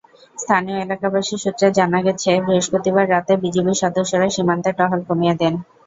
স্থানীয় এলাকাবাসী সূত্রে জানা গেছে, বৃহস্পতিবার রাতে বিজিবির সদস্যরা সীমান্তে টহল কমিয়ে দেন।